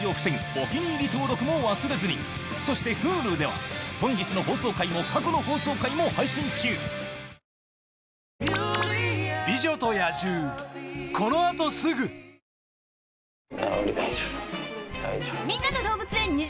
お気に入り登録も忘れずにそしてＨｕｌｕでは本日の放送回も過去の放送回も配信中あっ！！！え？？